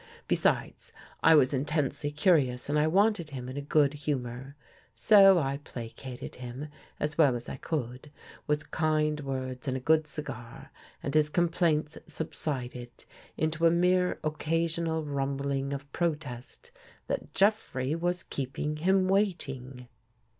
Besides, I was intensely curious and I wanted him in a good humor. So I placated him, as well as I could, with kind words and a good cigar, and his complaints subsided into a mere occasional rumbling of protest that Jeffrey was keeping him waiting.